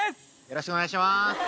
よろしくお願いします。